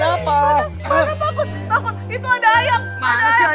adalah takut takut itu ada air